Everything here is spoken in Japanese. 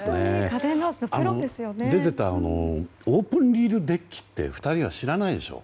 出ていたオープンリールデッキって２人は知らないでしょ。